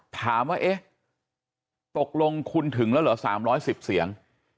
ถามว่าเอ๊ะตกลงคุณถึงแล้วเหรอ๓๑๐เสียง